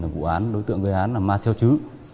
vụ án đối tượng gây án là ma xeo chứ